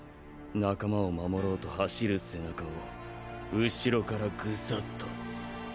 仲間を守ろうと走る背中を後ろからグサっと！